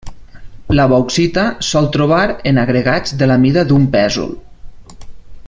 La bauxita sol trobar en agregats de la mida d'un pèsol.